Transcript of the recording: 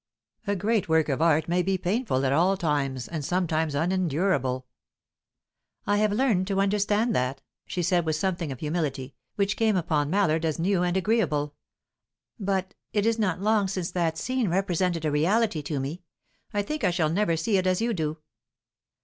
A great work of art may be painful at all times, and sometimes unendurable." "I have learnt to understand that," she said, with something of humility, which came upon Mallard as new and agreeable. "But it is not long since that scene represented a reality to me. I think I shall never see it as you do."